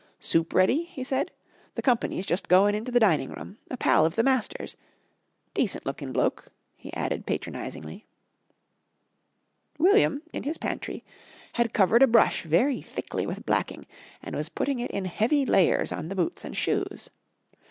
"Soup ready?" he said. "The company's just goin' into the dining room a pal of the master's. Decent lookin' bloke," he added patronisingly. William, in his pantry, had covered a brush very thickly with blacking, and was putting it in heavy layers on the boots and shoes.